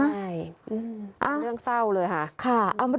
ใช่เรื่องเศร้าเลยค่ะ